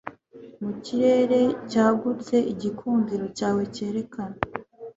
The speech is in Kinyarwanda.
mu kirere cyagutse igikundiro cyawe cyerekana